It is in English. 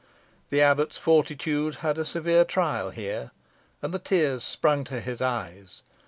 The abbot's fortitude had a severe trial here, and the tears sprung to his eyes.